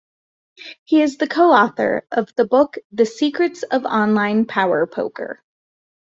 He is the co-author of the book "The Secrets of Online Power Poker".